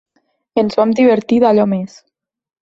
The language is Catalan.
Ens vam divertir d'allò més.